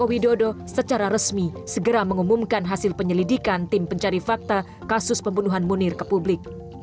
jokowi dodo secara resmi segera mengumumkan hasil penyelidikan tim pencari fakta kasus pembunuhan munir ke publik